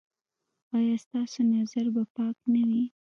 ایا ستاسو نظر به پاک نه وي؟